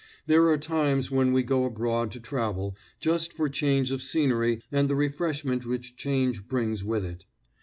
There are times when we go abroad to travel just for change of scenery and the refreshment which change brings with it.